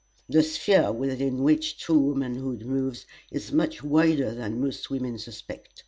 The sphere within which true womanhood moves is much wider than most women suspect.